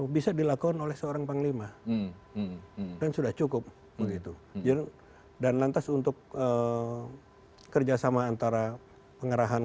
bagaimana dia membang igor